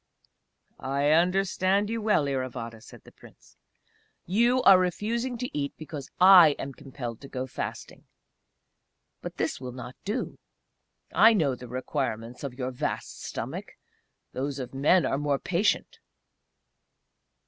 "I understand you well, Iravata," said the Prince. "You are refusing to eat because I am compelled to go fasting. But this will not do. I know the requirements of your vast stomach those of men are more patient!"